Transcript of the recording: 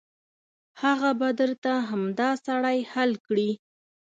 هغه به درته همدا سړی حل کړي.